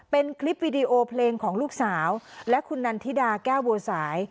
เป็นคลิปวีดีโอเพลงของลูกสาวและคุณนันทิดาแก้วบัวสาย